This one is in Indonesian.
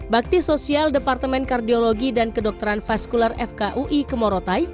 bakti sosial departemen kardiologi dan kedokteran vaskular fkui ke morotai